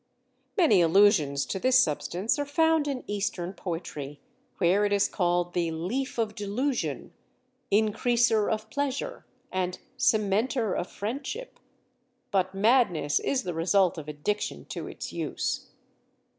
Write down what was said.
Many allusions to this substance are found in Eastern poetry, where it is called the "Leaf of Delusion," "Increaser of Pleasure," and "Cementer of Friendship," but madness is the result of addiction to its use.